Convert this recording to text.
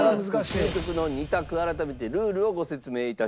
究極の２択改めてルールをご説明致しましょう。